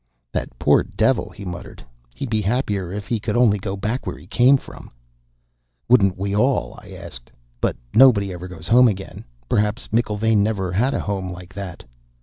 "That poor devil!" he muttered. "He'd be happier if he could only go back where he came from." "Wouldn't we all?" I asked. "But nobody ever goes home again. Perhaps McIlvaine never had a home like that."